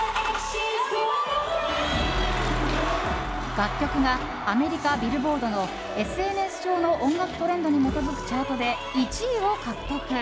楽曲がアメリカ、ビルボードのＳＮＳ上の音楽トレンドに基づくチャートで１位を獲得。